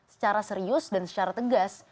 secara serius dan secara tegas